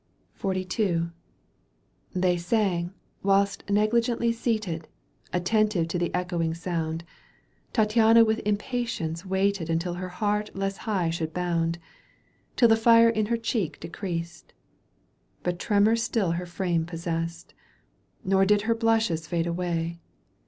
Digitized by VjOOQ 1С 94 EUGENE ON^GUINE. canto Ш. XLII. They sang, whilst negligently seated, Attentive to the echoing sound, Tattiana with impatience waited Until her heart less high should bound — Till the fire in her cheek decreased ; But tremor still her frame possessed, Nor did her blushes fade away.